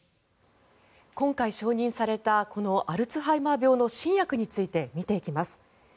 今回承認されたこのアルツハイマー病の新薬について見ていきます。